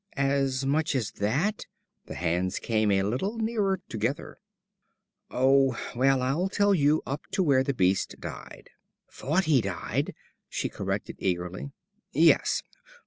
"As much as that." The hands came a little nearer together. "Oh! Well, I'll tell you up to where the Beast died." "Fought he died," she corrected eagerly. "Yes.